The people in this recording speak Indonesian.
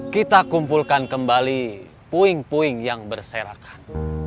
kita kumpulkan kembali puing puing yang berserakan